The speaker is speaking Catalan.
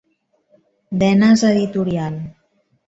Denes Editorial.